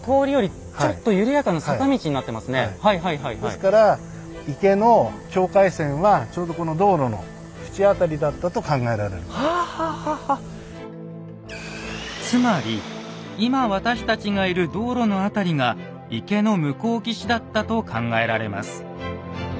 ですからつまり今私たちがいる道路の辺りが池の向こう岸だったと考えられます。